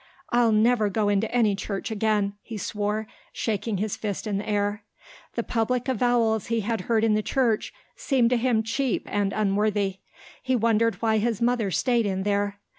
"I'll never go into any church again," he swore, shaking his fist in the air. The public avowals he had heard in the church seemed to him cheap and unworthy. He wondered why his mother stayed in there.